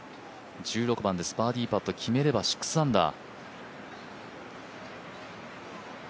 １６番、バーディーパット決めれば６アンダー。